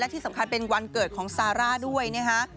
ที่สำคัญเป็นวันเกิดของซาร่าด้วยนะคะ